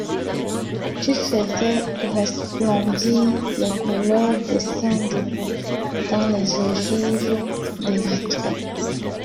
Tu faisais resplendir les couleurs des saints debout dans les ogives des vitraux.